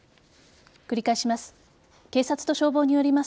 繰り返します。